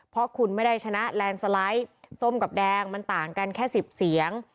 เพราะคุณไม่ได้ชนะแลนด์สไลด์ส้มกับแดงมันต่างกันแค่๑๐เสียง